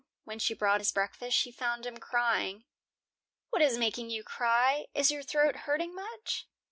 When she brought his breakfast, she found him crying. "What is making you cry? Is your throat hurting much?"